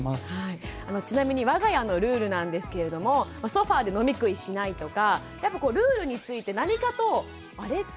ちなみにわが家のルールなんですけれどもソファーで飲み食いしないとかやっぱこうルールについて何かとあれ？